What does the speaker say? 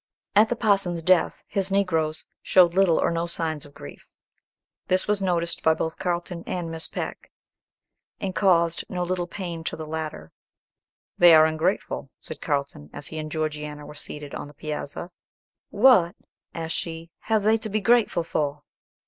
At the parson's death his Negroes showed little or no signs of grief. This was noticed by both Carlton and Miss Peck, and caused no little pain to the latter. "They are ungrateful," said Carlton, as he and Georgiana were seated on the piazza. "What," asked she, "have they to be grateful for?"